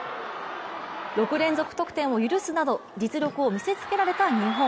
６連続得点を許すなど実力を見せつけられた日本。